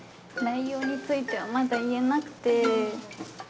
内容についてはまだ言えなくて。